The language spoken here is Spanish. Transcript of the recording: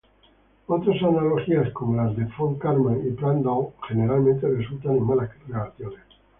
Otras analogías, como las de Von Karman y Prandtl, generalmente resultan en malas relaciones.